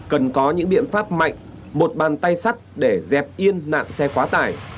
cần có những biện pháp mạnh một bàn tay sắt để dẹp yên nạn xe quá tải